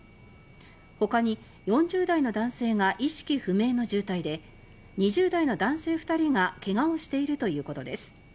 ほかに、４０代の男性が意識不明の重体で２０代の男性２人が怪我をしているということです。